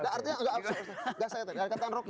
gak saya tanya dari kata roky